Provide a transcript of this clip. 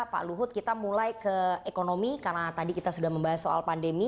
pak luhut kita mulai ke ekonomi karena tadi kita sudah membahas soal pandemi